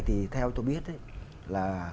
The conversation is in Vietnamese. thì theo tôi biết ấy